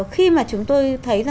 khi mà chúng tôi thấy